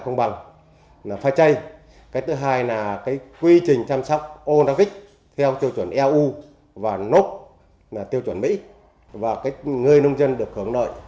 thứ hai là phải trây cái thứ hai là cái quy trình chăm sóc onavic theo tiêu chuẩn eu và noc là tiêu chuẩn mỹ và cái người nông dân được hưởng nợ